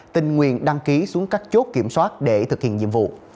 tình nguyện đăng ký xuống các chốt kiểm soát để thực hiện nhiệm vụ